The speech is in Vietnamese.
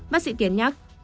bác sĩ tiến nhắc